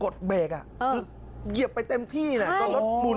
กดเบรกเหยียบไปเต็มที่รถมุน